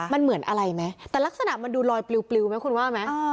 มันเหมือนอะไรไหมแต่ลักษณะมันดูลอยปลิวไหมคุณว่าไหม